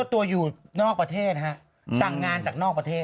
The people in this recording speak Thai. ตัวอยู่นอกประเทศฮะสั่งงานจากนอกประเทศ